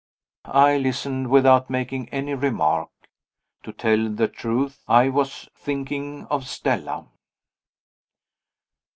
I listened, without making any remark. To tell the truth, I was thinking of Stella.